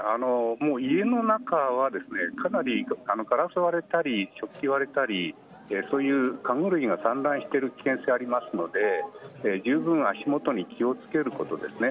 家の中はですねかなりガラスが割れたり食器が割れたり、そういう家具類が散乱している可能性がありますのでじゅうぶん足元に気を付けることですね。